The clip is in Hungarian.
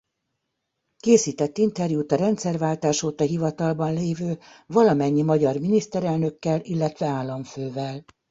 Készített interjút a rendszerváltás óta hivatalban lévő valamennyi magyar miniszterelnökkel illetve államfővel.